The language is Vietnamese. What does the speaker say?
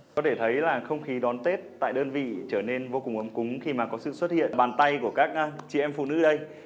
có thể thấy là không khí đón tết tại đơn vị trở nên vô cùng ấm cúng khi mà có sự xuất hiện bàn tay của các chị em phụ nữ đây